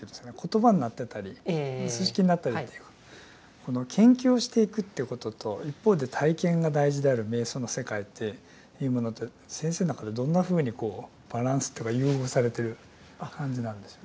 この研究をしていくっていうことと一方で体験が大事である瞑想の世界っていうものって先生の中でどんなふうにこうバランスというか融合されてる感じなんでしょう。